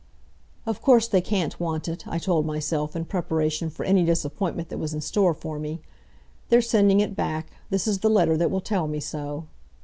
"Of course they can't want it," I told myself, in preparation for any disappointment that was in store for me. "They're sending it back. This is the letter that will tell me so."